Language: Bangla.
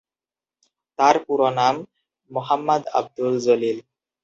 তার পুরো নাম মোহাম্মদ আব্দুল জলিল।